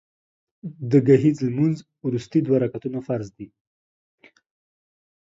د ګهیځ لمونځ وروستي دوه رکعتونه فرض دي